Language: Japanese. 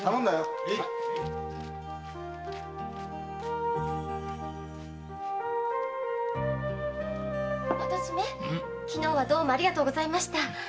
元締昨日はどうもありがとうございました。